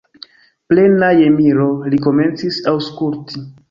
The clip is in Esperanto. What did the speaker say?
Plena je miro, li komencis aŭskulti.